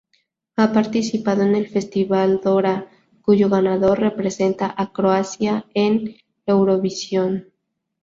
Ha participado en el festival Dora, cuyo ganador representa a Croacia en Eurovision.